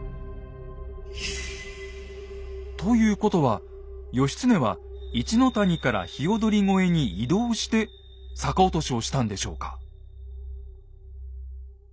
ということは義経は一の谷から鵯越に移動して逆落としをしたんでしょうか。